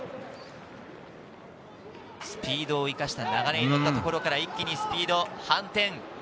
スピードを生かした流れに乗ったところから一気にスピード、反転。